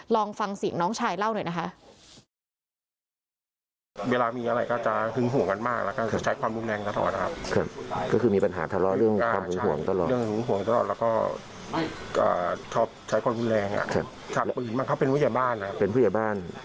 ลองฟังเสียงน้องชายเล่าหน่อยนะคะ